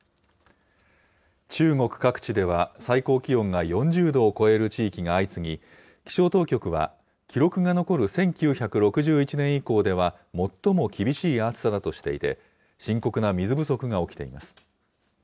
中国各地では、最高気温が４０度を超える地域が相次ぎ、気象当局は、記録が残る１９６１年以降では最も厳しい暑さだとしていて、深刻な水不足が起きています。